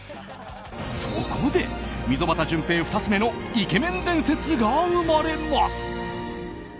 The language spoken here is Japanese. そこで溝端淳平２つ目のイケメン伝説が生まれます。